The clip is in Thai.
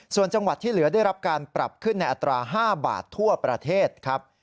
ส่วนจังหวัดที่เหลือได้รับการปรับขึ้นในอัตรา๕บาททั่วประเทศครับ